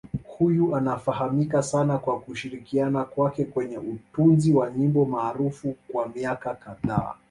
Huyu anafahamika sana kwa kushirikiana kwake kwenye utunzi wa nyimbo maarufu kwa miaka kadhaa.